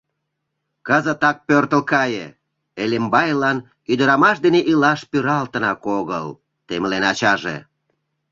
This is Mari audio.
— Кызытак пӧртыл кае — Элембайлан ӱдырамаш дене илаш пӱралтынак огыл, — темлен ачаже.